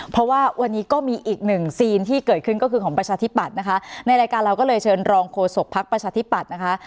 เพราะว่าวันนี้ก็มีอีกหนึ่งซีนที่เกิดขึ้นก็คือของประชาธิปัตย์นะคะในรายการเราก็เลยเชิญรองโฆษกภักดิ์ประชาธิปัตย์นะคะ